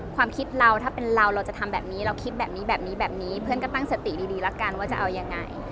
ความคิดเราถ้าเป็นเราเราจะทำแบบนี้เราคิดแบบนี้แบบนี้แบบนี้แบบนี้เพื่อนก็ตั้งสติดีแล้วกันว่าจะเอายังไง